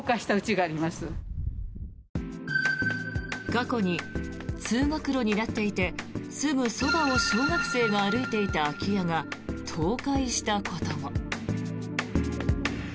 過去に通学路になっていてすぐそばを小学生が歩いていた空き家が倒壊したことも。